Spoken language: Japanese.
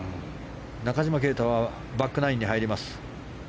中島啓太はバックナインに入ります。